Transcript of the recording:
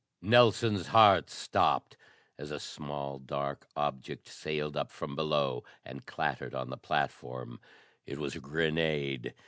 Nelson's heart stopped as a small, dark object sailed up from below and clattered on the platform. It was a grenade.